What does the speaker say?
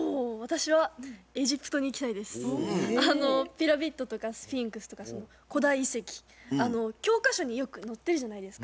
ピラミッドとかスフィンクスとか古代遺跡教科書によく載ってるじゃないですか。